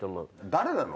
誰なの？